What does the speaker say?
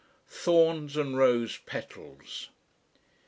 THORNS AND ROSE PETALS.